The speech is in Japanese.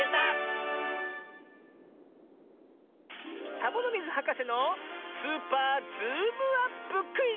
サボノミズはかせの「スーパーズームアップクイズ」！